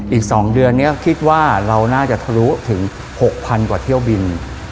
อีก๒เดือนนี้คิดว่าเราน่าจะทะลุถึง๖๐๐๐กว่าเที่ยวบิน